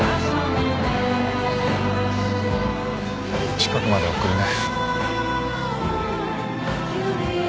近くまで送るね。